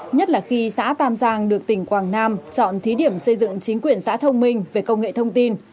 nhất là khi xã tam giang được tỉnh quảng nam chọn thí điểm xây dựng chính quyền xã thông minh về công nghệ thông tin